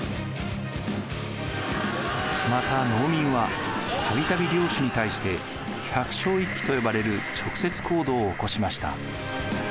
また農民はたびたび領主に対して百姓一揆と呼ばれる直接行動を起こしました。